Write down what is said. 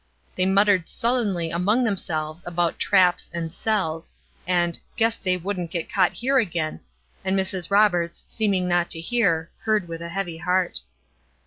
They muttered sullenly among themselves about "traps" and "sells," and "guessed they wouldn't get caught here again;" and Mrs. Roberts, seeming not to hear, heard with a heavy heart.